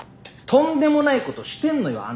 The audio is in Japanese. とんでもないことしてんのよあんた。